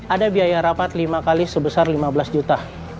ada biaya rapat lima kali sebesar lima belas juta